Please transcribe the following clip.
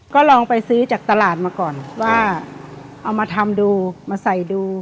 ก็ลองไปซื้อจากตลาดมาก่อนว่าเอามาทำดูมาใส่ดู